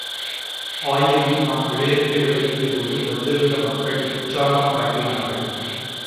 ஆயினும் நான் விஷயத்தை விளக்கியபோது வந்திருந்த மக்கள் உற்சாகம் காட்டினார்கள்.